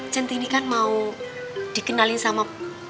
centini kan mau dikenalin sama